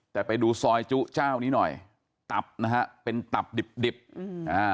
แต่ไปดูซอยจุเจ้านี้หน่อยตับนะฮะเป็นตับดิบดิบอืมอ่า